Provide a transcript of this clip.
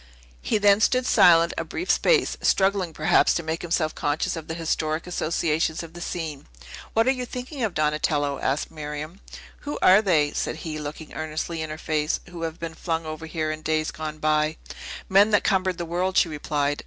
He then stood silent a brief space, struggling, perhaps, to make himself conscious of the historic associations of the scene. "What are you thinking of, Donatello?" asked Miriam. "Who are they," said he, looking earnestly in her face, "who have been flung over here in days gone by?" "Men that cumbered the world," she replied.